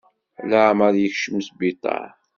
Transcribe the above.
Leεmeṛ yekcem sbiṭar.